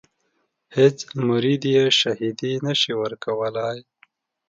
هیڅ مرید یې شاهدي نه شي ورکولای.